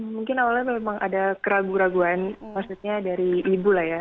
mungkin awalnya memang ada keraguan keraguan maksudnya dari ibu lah ya